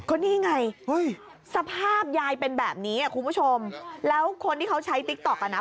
ก็นี่ไงสภาพยายเป็นแบบนี้คุณผู้ชมแล้วคนที่เขาใช้ติ๊กต๊อกอ่ะนะ